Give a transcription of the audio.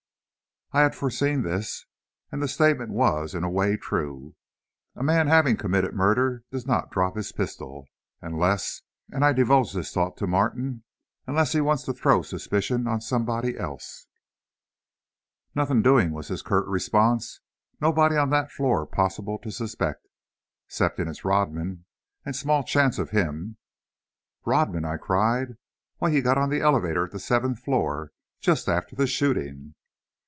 I had foreseen this. And the statement was, in a way, true. A man, having committed murder, does not drop his pistol, unless, and I divulged this thought to Martin, unless he wants to throw suspicion on someone else. "Nothin' doin'," was his curt response. "Nobody on that floor possible to suspect, 'ceptin' it's Rodman, and small chance of him." "Rodman!" I cried; "why, he got on the elevator at the seventh floor, just after the shooting."